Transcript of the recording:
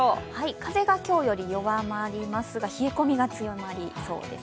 風が今日より弱まりますが冷え込みが強まりそうです。